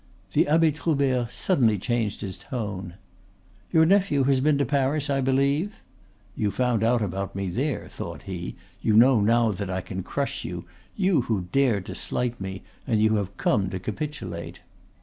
The Abbe Troubert suddenly changed his tone. "Your nephew has been to Paris, I believe." ("You found out about me there," thought he; "you know now that I can crush you, you who dared to slight me, and you have come to capitulate.")